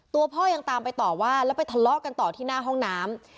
ตัวพ่อยังตามไปต่อว่าแล้วไปทะเลาะกันต่อที่หน้าห้องน้ำ